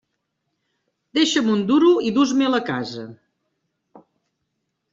Deixa'm un duro i dus-me'l a casa.